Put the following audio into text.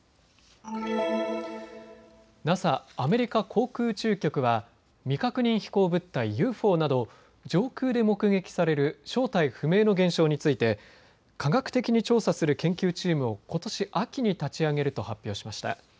ＮＡＳＡ・アメリカ航空宇宙局は未確認飛行物体・ＵＦＯなど上空で目撃される正体不明の現象について科学的に調査する研究チームをことし秋に立ち上げると発表しました。